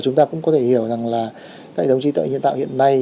chúng ta cũng có thể hiểu rằng là các hệ thống trí tạo hiện nay